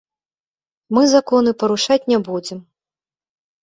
Мы законы парушаць не будзем.